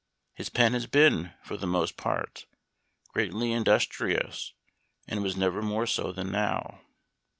His pen has been, for the most part, greatly industrious, and was never more so than now.